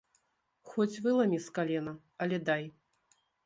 Хоць выламі з калена, але дай.